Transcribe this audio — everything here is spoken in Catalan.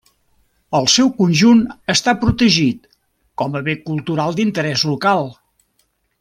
El seu conjunt està protegit com a bé cultural d'interès local.